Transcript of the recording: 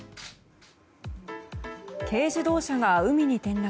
軽自動車が海に転落。